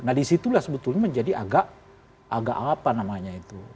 nah disitulah sebetulnya menjadi agak apa namanya itu